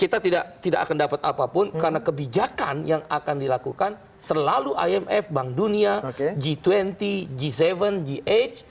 kita tidak akan dapat apapun karena kebijakan yang akan dilakukan selalu imf bank dunia g dua puluh g tujuh gh